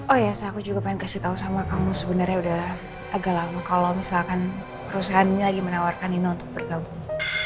oh ya aku juga pengen kasih tahu sama kamu sebenarnya udah agak lama kalau misalkan perusahaan ini lagi menawarkan inno untuk bergabung